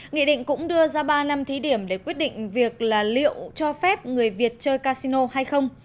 nghị định cũng đưa ra ba năm thí điểm để quyết định việc là liệu cho phép người việt chơi casino hay không